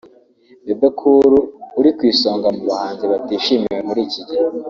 Bebe Cool uri ku isonga mu bahanzi batishimiwe muri iki gihe